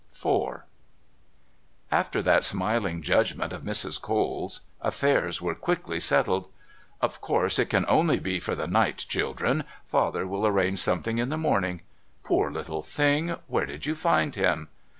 IV After that smiling judgment of Mrs. Cole's, affairs were quickly settled. "Of course it can only be for the night, children. Father will arrange something in the morning. Poor little thing. Where did you find him?"